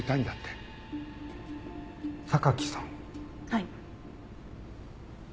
はい。